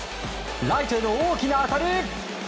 ライトへの大きな当たり。